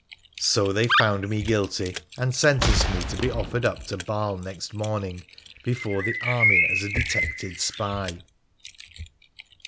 So they found me guilty, and sentenced me to be offered up to Baal next morning before the army as a detected spy.